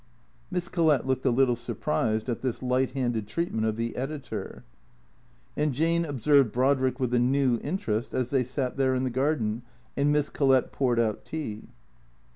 Miss Collett looked a little surprised at this light handed treatment of the editor. And Jane observed Brodrick with a new interest as they sat there in the garden and Miss Collett poured out tea.